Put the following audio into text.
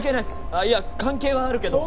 あっいや関係はあるけど。